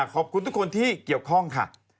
ขอบคุณทุกคนที่เกี่ยวข้องค่ะ